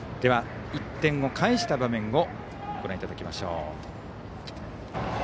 １点を返した場面をご覧いただきましょう。